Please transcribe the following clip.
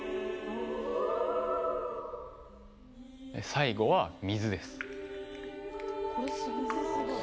最後は、水です。